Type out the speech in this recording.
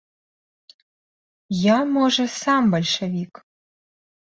Я, можа, сам бальшавік.